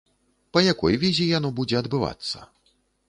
Па якой візе яно будзе адбывацца?